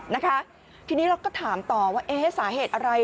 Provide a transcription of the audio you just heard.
นะคะทีนี้เราก็ถามต่อว่าเอ๊ะสาเหตุอะไร